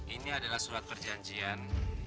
ini adalah surat perjanjian